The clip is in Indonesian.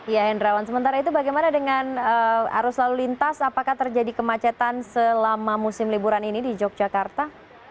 ya hendrawan sementara itu bagaimana dengan arus lalu lintas apakah terjadi kemacetan selama musim liburan ini di yogyakarta